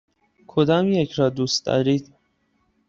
کدامیک را دوست دارید؟